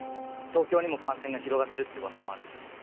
東京にも感染が広がってるって噂もある。